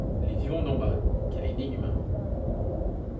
Les vivants d'en bas, quelle énigme!